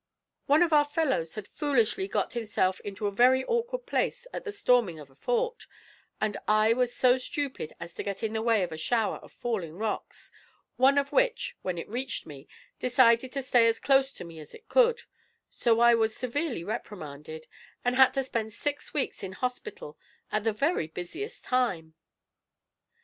"One of our fellows had foolishly got himself into a very awkward place at the storming of a fort, and I was so stupid as to get in the way of a shower of falling rocks, one of which, when it reached me, decided to stay as close to me as it could; so I was severely reprimanded, and had to spend six weeks in hospital at the very busiest time."